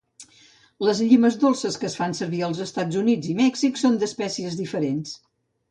Les llimes dolces que es fan servir als Estats Units i Mèxic són d'espècies diferents.